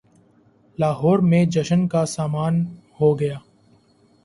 لاہور میں جشن کا سماں ہو گا۔